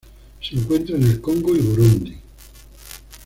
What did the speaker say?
Se encuentra en el Congo y Burundi.